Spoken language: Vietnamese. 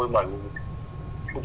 một người mình